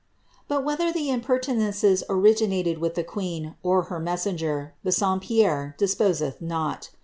^ But whether the impertinences originated with the queen, or her mes senger, Bassompierre deposeth not.